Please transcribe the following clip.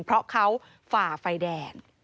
เพราะเขาฝ่าไฟแดง